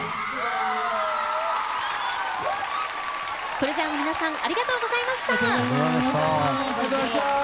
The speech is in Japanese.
ＴＲＥＡＳＵＲＥの皆さんありがとうございました。